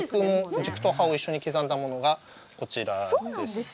軸と葉を一緒に刻んだものが、こちらです。